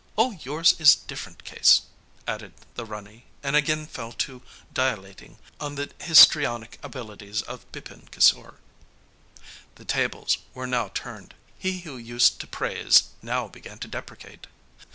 'Oh, yours is different case!' added the Rani, and again fell to dilating on the histrionic abilities of Bipin Kisore. The tables were now turned. He who used to praise, now began to deprecate.